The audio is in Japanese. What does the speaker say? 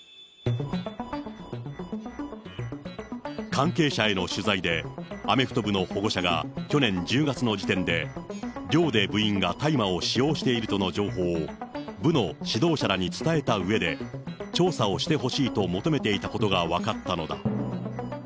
関係者への取材で、アメフト部の保護者が去年１０月の時点で、寮で部員が大麻を使用しているとの情報を、部の指導者らに伝えたうえで、調査をしてほしいと求めていたことが分かったのだ。